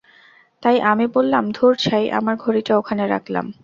তাই আমি বললাম ধুর ছাই, আমার ঘড়িটা ওখানে রাখলাম।